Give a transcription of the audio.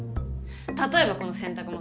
例えばこの洗濯物。